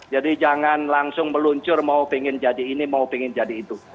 jadi jangan langsung meluncur mau ingin jadi ini mau ingin jadi itu